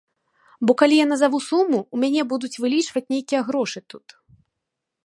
Бо калі я назаву суму, у мяне будуць вылічваць нейкія грошы тут.